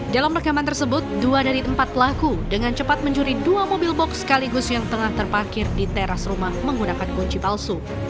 dalam rekaman tersebut dua dari empat pelaku dengan cepat mencuri dua mobil box sekaligus yang tengah terparkir di teras rumah menggunakan kunci palsu